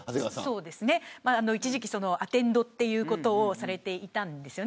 一時期、アテンドということをされていたんです。